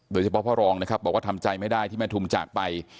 โดยเฉพาะพ่อรองนะครับบอกว่าทำใจไม่ได้ที่แม่ทุมจากไป